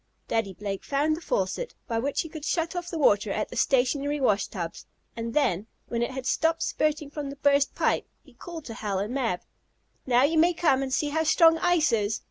Daddy Blake found the faucet, by which he could shut off the water at the stationary wash tubs, and then, when it had stopped spurting from the burst pipe, he called to Hal and Mab: "Now you may come and see how strong ice is.